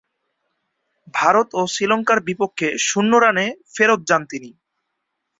ভারত ও শ্রীলঙ্কার বিপক্ষে শূন্য রানে ফেরৎ যান তিনি।